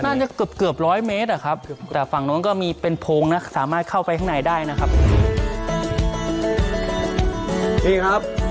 น่าจะเกือบเกือบร้อยเมตรอะครับแต่ฝั่งนู้นก็มีเป็นโพงนะสามารถเข้าไปข้างในได้นะครับ